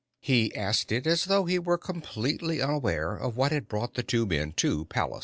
He asked it as though he were completely unaware of what had brought the two men to Pallas.